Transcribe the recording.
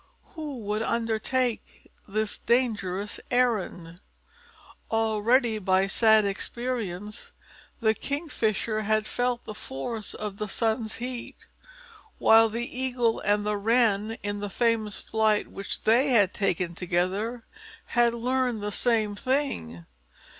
Who would undertake this dangerous errand? Already by sad experience the Kingfisher had felt the force of the sun's heat, while the Eagle and the Wren, in the famous flight which they had taken together, had learned the same thing.